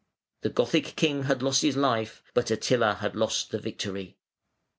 The Gothic king had lost his life, but Attila had lost the victory.